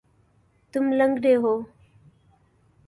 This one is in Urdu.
تم لنگڑے ہو